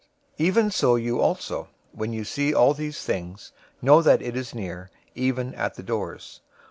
024:033 Even so you also, when you see all these things, know that it is near, even at the doors.